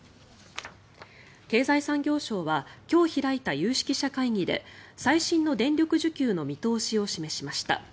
経済産業省は今日開いた有識者会議で最新の電力需給の見通しを示しました。